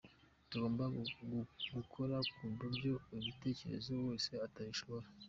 Tugomba gukora ku buryo ubitekereza wese atabishobora.